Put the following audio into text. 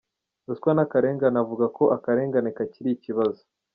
Ruswa n’akarengane avuga ko akarengane kacyiri ikibazo.